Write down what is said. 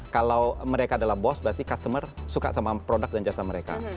kalau mereka adalah bos berarti customer suka sama produk dan jasa mereka